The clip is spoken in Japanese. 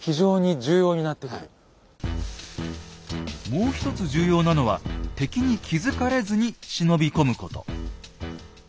もう一つ重要なのは敵に気付かれずに忍び込むこと。